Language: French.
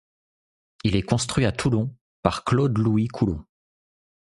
Il est construit à Toulon par Claude-Louis Coulomb.